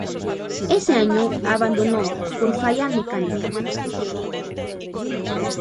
Ese año abandonó por falla mecánica.